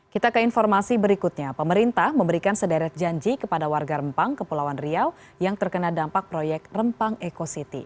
kita ke informasi berikutnya pemerintah memberikan sederet janji kepada warga rempang kepulauan riau yang terkena dampak proyek rempang eco city